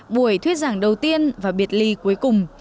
buổi thuyết giảng đầu tiên và biệt lý ly cuối cùng